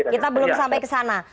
kita belum sampai ke sana